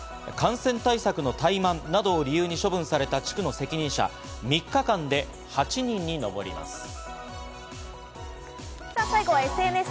感染対策の怠慢などを理由に処分された地区の責任者は３日間で８人に上ります。